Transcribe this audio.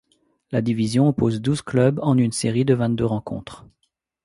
La division oppose douze clubs en une série de vingt-deux rencontres.